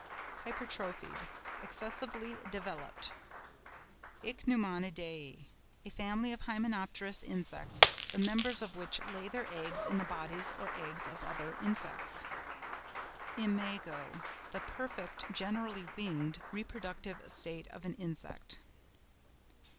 HYPERTROPHIED.—Excessively developed. ICHNEUMONIDÆ.—A family of hymenopterous insects, the members of which lay their eggs in the bodies or eggs of other insects. IMAGO.—The perfect (generally winged) reproductive state of an insect.